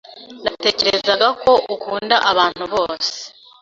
Natekerezaga ko ukunda abantu bose.